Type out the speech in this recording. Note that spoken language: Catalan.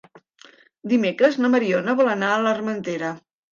Dimecres na Mariona vol anar a l'Armentera.